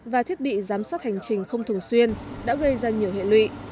và thiết bị giám sát hành trình không thường xuyên đã gây ra nhiều hệ lụy